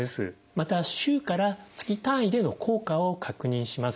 また週から月単位での効果を確認します。